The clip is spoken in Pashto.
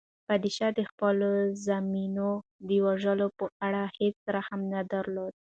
پادشاه د خپلو زامنو د وژلو په اړه هیڅ رحم نه درلود.